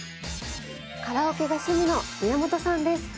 カラオケが趣味の宮本さんです。